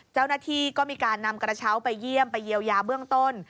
เจ้าหน้าที่ก็มีการนำกระเช้าไปเยี่ยมไปเยียวยาเบื้องต้น